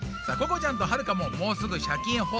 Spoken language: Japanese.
さあここちゃんとはるかももうすぐシャキーン！